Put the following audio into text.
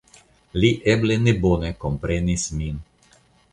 Li eble ne bone komprenis min.